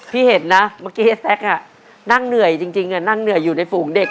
เห็นนะเมื่อกี้แซ็กนั่งเหนื่อยจริงนั่งเหนื่อยอยู่ในฝูงเด็ก